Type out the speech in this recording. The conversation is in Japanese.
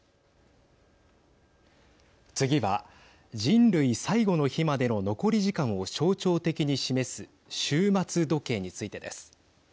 次は人類最後の日までの残り時間を象徴的に示す終末時計についてです。